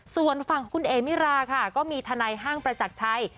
ส่วนฝั่งของคุณเอมิราค่ะก็มีทนายห้างประจักรชัย